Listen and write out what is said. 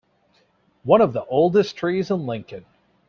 One of the oldest trees in Lincoln.